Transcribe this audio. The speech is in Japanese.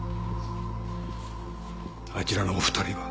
あちらのお２人は？